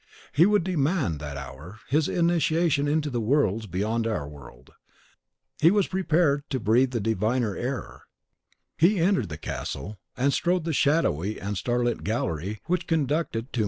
He would demand, that hour, his initiation into the worlds beyond our world, he was prepared to breathe a diviner air. He entered the castle, and strode the shadowy and starlit gallery which conducted to Mejnour's apartment. CHAPTER 4.III.